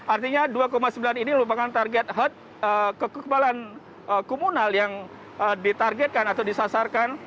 artinya dua sembilan ini merupakan target kekebalan komunal yang ditargetkan atau disasarkan